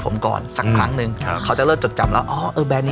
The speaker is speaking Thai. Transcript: โปรดติดตามต่อไป